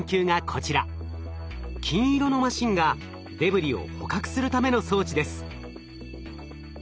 金色のマシンがデブリを捕獲するための装置です。